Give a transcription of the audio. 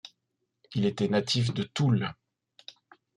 Il était natif de Toul.